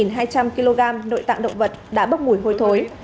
nội tạng động vật đã bốc mùi hôi thối